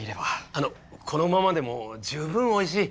あのこのままでも十分おいしい。